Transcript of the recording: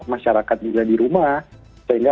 masyarakat juga di rumah sehingga